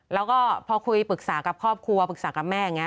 แล้วก็พอคุยปรึกษากับครอบครัวปรึกษากับแม่อย่างนี้